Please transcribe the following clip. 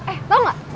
eh tau gak